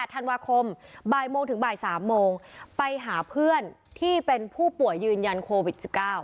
ธันวาคมบ่ายโมงถึงบ่าย๓โมงไปหาเพื่อนที่เป็นผู้ป่วยยืนยันโควิด๑๙